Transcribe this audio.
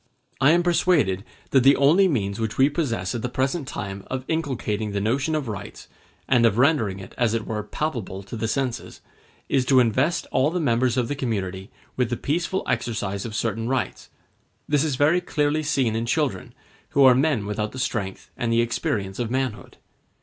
I am persuaded that the only means which we possess at the present time of inculcating the notion of rights, and of rendering it, as it were, palpable to the senses, is to invest all the members of the community with the peaceful exercise of certain rights: this is very clearly seen in children, who are men without the strength and the experience of manhood.